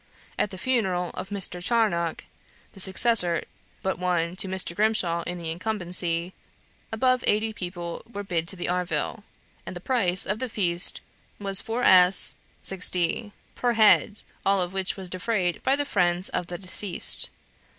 At the funeral of Mr. Charnock (the next successor but one to Mr. Grimshaw in the incumbency), above eighty people were bid to the arvill, and the price of the feast was 4s. 6d. per head, all of which was defrayed by the friends of the deceased.